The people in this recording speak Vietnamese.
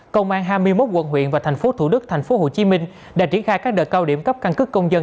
công an hai mươi một quận huyện và thành phố thủ đức thành phố hồ chí minh đã triển khai các đợt cao điểm cấp căn cức công dân